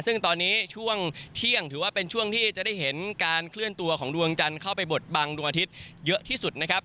ซึ่งตอนนี้ช่วงเที่ยงถือว่าเป็นช่วงที่จะได้เห็นการเคลื่อนตัวของดวงจันทร์เข้าไปบดบังดวงอาทิตย์เยอะที่สุดนะครับ